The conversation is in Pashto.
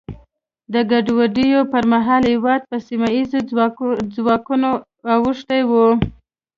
د ګډوډیو پر مهال هېواد په سیمه ییزو ځواکونو اوښتی و.